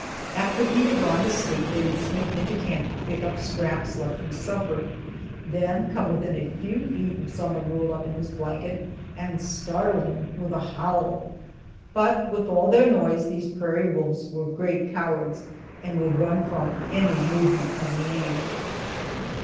After we had gone to sleep, they would sneak into camp to pick up scraps left from supper, then come within a few feet of some one rolled up in his blanket and startle him with a howl. But with all their noise these prairie wolves were great cowards, and would run from any movement of a man.